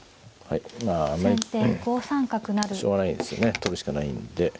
取るしかないんで。